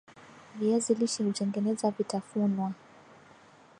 viazi lishe hutengeneza vitafunwa